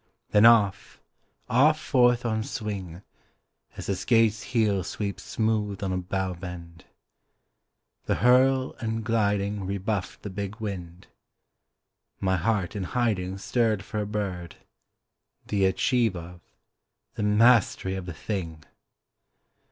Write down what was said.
then off, off forth on swing, As a skate's heel sweeps smooth on a bow bend: the hurl and gliding Rebuffed the big wind. My heart in hiding Stirred for a bird, the achieve of, the mastery of the thing!